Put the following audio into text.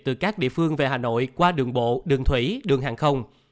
từ các địa phương về hà nội qua đường bộ đường thủy đường hàng không